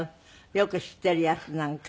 よく知っているやつなんか。